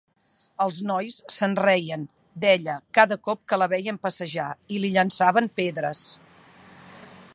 Els nois se'n reien, d'ella, cada cop que la veien passejar, i li llançaven pedres.